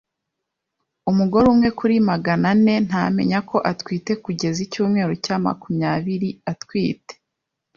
Umugore umwe kuri Magana ane ntamenya ko atwite kugeza icyumweru cya makumyabiri atwite.